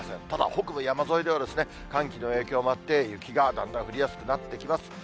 ただ、北部山沿いでは、寒気の影響もあって、雪がだんだん降りやすくなってきます。